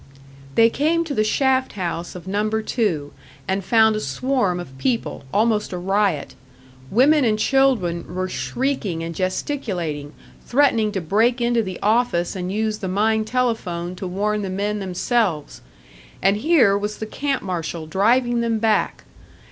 They came to the shaft house of Number Two, and found a swarm of people, almost a riot. Women and children were shrieking and gesticulating, threatening to break into the office and use the mine telephone to warn the men themselves. And here was the camp marshal driving them back.